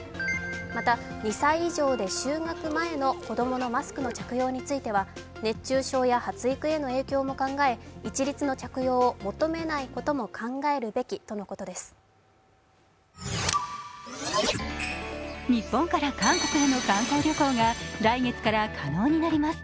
また、２歳以上で就学前の子供のマスクの着用については熱中症や発育への影響も考え一律の着用を求めないことも考えるべきとのことです。